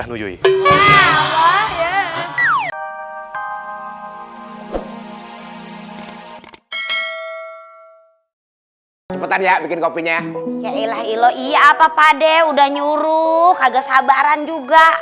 menunjukkan cepetan ya bikin kopinya ya iya papa deh udah nyuruh kagak sabaran juga